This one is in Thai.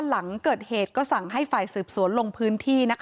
หลังเกิดเหตุก็สั่งให้ฝ่ายสืบสวนลงพื้นที่